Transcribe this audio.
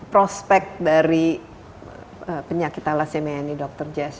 prospek dari penyakit tala semia ini dr jess